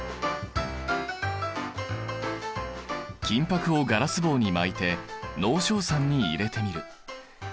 金ぱくをガラス棒に巻いて濃硝酸に入れてみる。